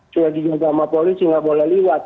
cuma dijaga sama polisi gak boleh liwat